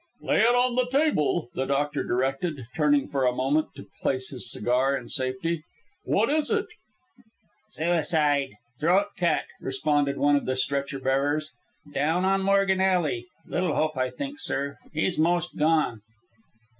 "Lay it on the table," the Doctor directed, turning for a moment to place his cigar in safety. "What is it?" "Suicide throat cut," responded one of the stretcher bearers. "Down on Morgan Alley. Little hope, I think, sir. He's 'most gone."